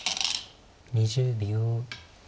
２０秒。